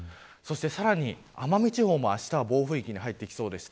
さらに奄美地方もあしたは暴風域に入ってきそうです。